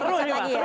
seru sih mas